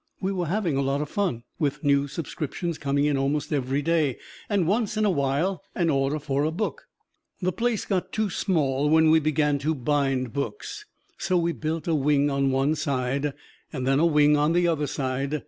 We were having a lot o' fun, with new subscriptions coming in almost every day, and once in a while an order for a book. The place got too small when we began to bind books, so we built a wing on one side; then a wing on the other side.